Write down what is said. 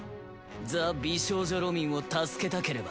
ザ・美少女ロミンを助けたければ。